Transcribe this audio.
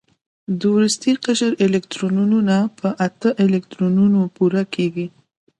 د وروستي قشر الکترونونه په اته الکترونونو پوره کوي.